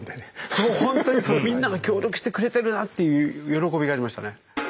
そうほんとにみんなが協力してくれてるなっていう喜びがありましたね。